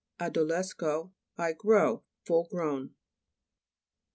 adolesco, I grow. Full grown.